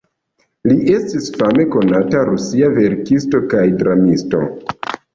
Li estis fame konata rusia verkisto kaj dramisto.